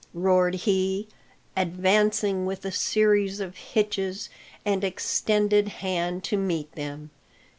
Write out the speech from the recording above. roared he, advancing with a series of hitches and extended hand to meet them.